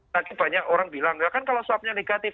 tadi banyak orang bilang ya kan kalau swabnya negatif